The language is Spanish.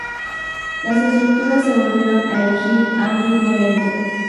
Las estructuras se volvieron a erigir a un ritmo lento.